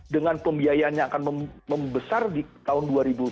dengan pembiayaan yang akan membesar di tahun dua ribu dua puluh